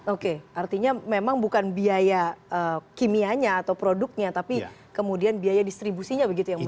oke artinya memang bukan biaya kimianya atau produknya tapi kemudian biaya distribusinya begitu yang besar